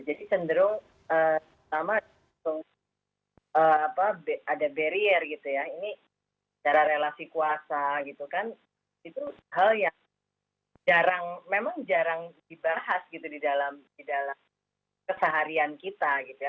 jadi cenderung pertama ada barrier gitu ya ini secara relasi kuasa gitu kan itu hal yang memang jarang dibahas gitu di dalam keseharian kita gitu ya